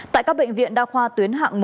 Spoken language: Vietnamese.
tại các bệnh viện đa khoa tuyến hạng một